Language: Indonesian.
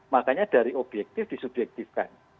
makanya dari objektif disubjektifkan